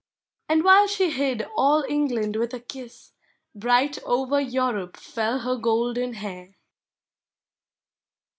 " And. while she hid all England with a kiss, Bright over Europe fell her golden hair!